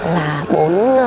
là bốn trí bộ khác nhau